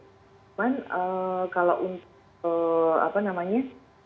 cuman kalau untuk apa namanya